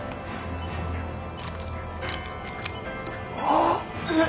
あっ！